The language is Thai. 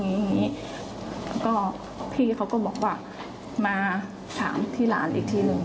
อย่างนี้ก็พี่เขาก็บอกว่ามาถามที่หลานอีกทีหนึ่ง